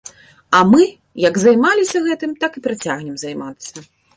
А мы як займаліся гэтым, так і працягнем займацца.